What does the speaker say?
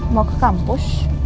mau ke kampus